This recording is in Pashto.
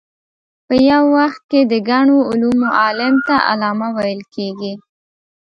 په یو وخت کې د ګڼو علومو عالم ته علامه ویل کېږي.